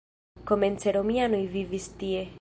Komence romianoj vivis tie.